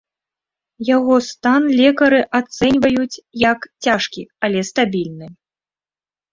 Яго стан лекары ацэньваюць як цяжкі, але стабільны.